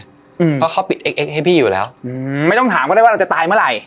อืมเพราะเขาปิดเอ็กเอ็กซให้พี่อยู่แล้วอืมไม่ต้องถามก็ได้ว่าเราจะตายเมื่อไหร่